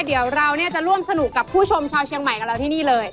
เดี๋ยวเราจะร่วมสนุกกับผู้ชมชาวเชียงใหม่กับเราที่นี่เลย